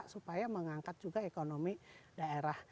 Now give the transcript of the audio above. supaya mengangkat juga ekonomi daerah